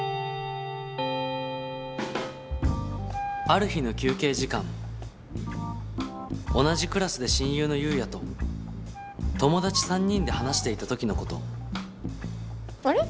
ある日の休憩時間同じクラスで親友の優也と友達３人で話していたときのことあれ？